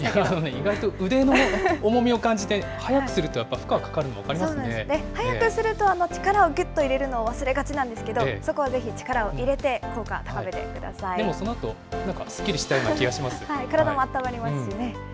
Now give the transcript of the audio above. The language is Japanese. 意外と腕の重みを感じて、速くするとやっぱり負荷、かかるの速くすると力をぐっと入れるのを忘れがちなんですけど、そこはぜひ力を入れて、効果、でもそのあと、なんかすっき体もあったまりますしね。